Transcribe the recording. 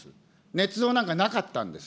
ねつ造なんかなかったんです。